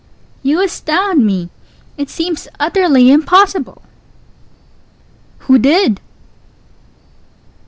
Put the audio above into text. You astound me! It seems utterly impossible! Pause. _Who _did?